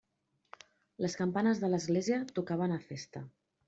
Les campanes de l'església tocaven a festa.